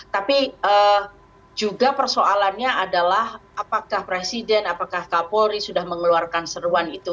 tapi juga persoalannya adalah apakah presiden apakah kapolri sudah mengeluarkan seruan itu